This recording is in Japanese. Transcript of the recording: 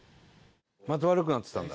また悪くなってたんだ。